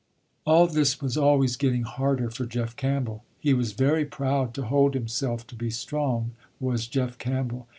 All this was always getting harder for Jeff Campbell. He was very proud to hold himself to be strong, was Jeff Campbell.